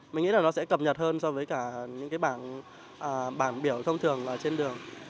mình nghĩ là nó sẽ cập nhật hơn so với cả những cái bảng biểu thông thường trên đường